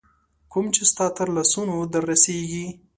کوم چي ستا تر لاسونو در رسیږي